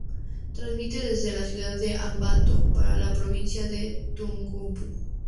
Transmite desde la ciudad de Ambato para la provincia de Tungurahua.